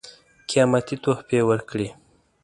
قېمتي تحفې ورکړې.